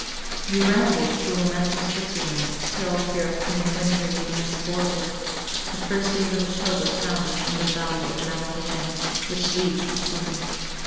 We rambled through romantic Switzerland; till, fear of coming winter leading us forward, the first days of October found us in the valley of La Maurienne, which leads to Cenis.